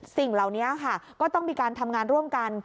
สิ่งเหล่านี้ค่ะก็ต้องมีการทำงานร่วมกัน